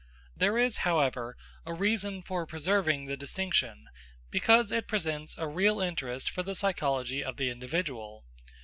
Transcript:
There is, however, a reason for preserving the distinction, because it presents a real interest for the psychology of the individual.